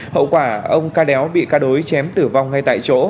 hậu quả ông ca đéo bị ca đối chém tử vong ngay tại chỗ